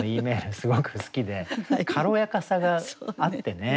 すごく好きで軽やかさがあってね。